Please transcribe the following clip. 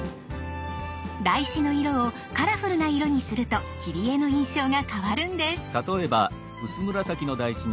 台紙の色をカラフルな色にすると切り絵の印象が変わるんです。